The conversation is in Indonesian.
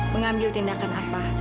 mengambil tindakan apa